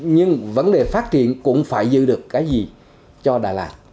nhưng vấn đề phát triển cũng phải giữ được cái gì cho đà lạt